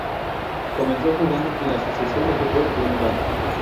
Comenzó jugando en la Asociación de fútbol Dunbar.